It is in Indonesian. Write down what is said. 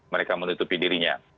mereka menutupi dirinya